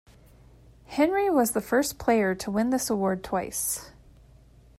Henry was the first player to win this award twice.